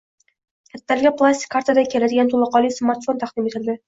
Ungacha yozilgan milyon-milyon kitoblar bosh koʻtarib keladi